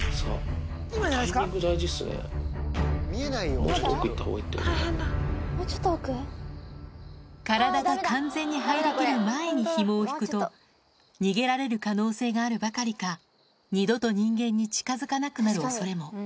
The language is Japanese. もうちょっと奥行ったほうがいい体が完全に入りきる前にひもを引くと、逃げられる可能性があるばかりか、二度と人間に近づかなくなるおそれも。